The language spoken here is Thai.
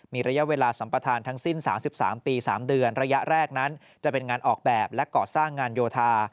มีระยะเวลาสัมประธานทั้งสิ้น๓๓ปี๓เดือนระยะแรกนั้นจะเป็นงานออกแบบและก่อสร้างงานโยธา